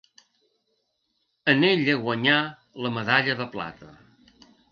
En ella guanyà la medalla de plata.